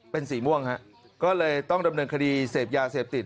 เป็นสีม่วงฮะก็เลยต้องดำเนินคดีเสพยาเสพติด